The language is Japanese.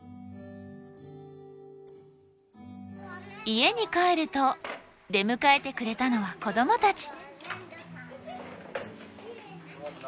家に帰ると出迎えてくれたのは子どもたち。